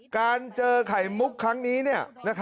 การเจอไข่มุกครั้งนี้